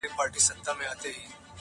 • سړی وایې کورته غل نه دی راغلی,